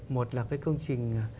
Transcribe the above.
một là cái công trình